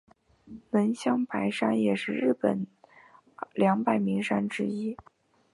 能乡白山也是日本二百名山之一。